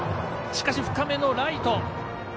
しかし深めのライト。